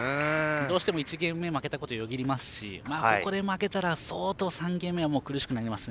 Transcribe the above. どうしても１ゲーム目負けたことよぎりますしここで負けたら相当、３ゲーム目は苦しくなりますね